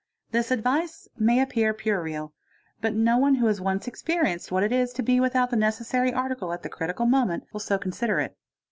This advice may appear puerile but no c who has once experienced what it is to be without the necessary a: ti at the critical moment will so consider it.